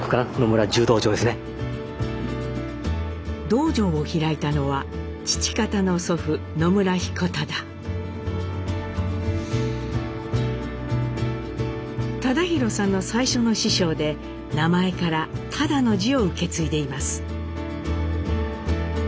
道場を開いたのは父方の祖父忠宏さんの最初の師匠で名前から「忠」の字を受け継いでいます。